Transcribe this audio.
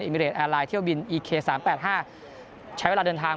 อิมิเรทแอร์ลายเที่ยวบินอีเคสามแปดห้าใช้เวลาเดินทาง